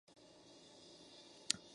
Es doctor en ambas disciplinas.